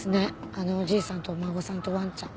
あのおじいさんとお孫さんとわんちゃん。